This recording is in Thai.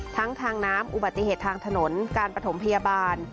ทั้งทางน้ำอุบัติเหตุทางถนนการประถมพยาบาล